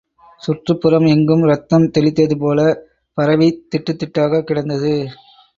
சுற்றுப் புறம் எங்கும் இரத்தம் தெளித்ததுபோல் பரவித் திட்டுத் திட்டாகக் கிடந்தது.